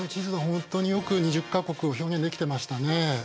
本当によく２０か国を表現できてましたね。